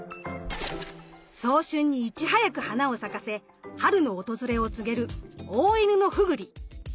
早春にいち早く花を咲かせ春の訪れを告げるオオイヌノフグリ。